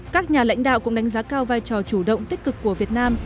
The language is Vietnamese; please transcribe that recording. các nhà lãnh đạo cũng đánh giá cao vai trò chủ động tích cực của việt nam